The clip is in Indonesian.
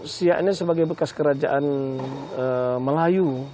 ya tentu siak ini sebagai bekas kerajaan melayu